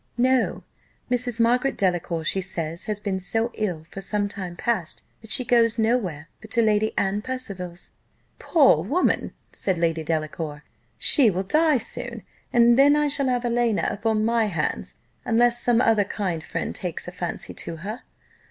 "No; Mrs. Margaret Delacour, she says, has been so ill for some time past, that she goes no where but to Lady Anne Percival's." "Poor woman," said Lady Delacour, "she will die soon, and then I shall have Helena upon my hands, unless some other kind friend takes a fancy to her.